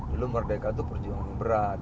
dulu merdeka itu perjuangan berat